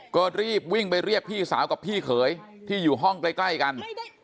ก็รีบวิ่งไปเรียกพี่สาวกับพี่เขยที่อยู่ห้องใกล้กัน